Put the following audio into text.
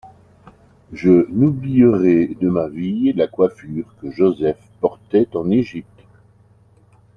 Je n'oublierai de ma vie la coiffure que Joseph portait en Égypte.